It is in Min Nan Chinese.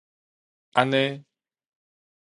按呢